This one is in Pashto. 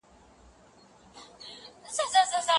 هر موسم خپل خوند لري.